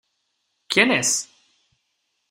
¿ quién es?